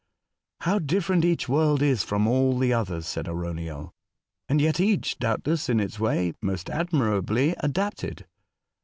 '' How different each world is from all the others," said Arauniel ;'' and yet each, doubt less, in its way, most admirably adapted.